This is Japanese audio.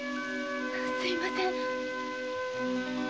すみません